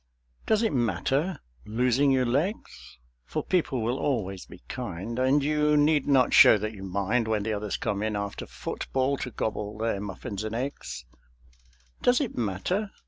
Does it matter? losing your legs?... For people will always be kind, And you need not show that you mind When the others come in after football To gobble their muffins and eggs. Does it matter?